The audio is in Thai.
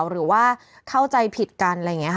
หรือว่าเข้าใจผิดกันอะไรอย่างนี้ค่ะ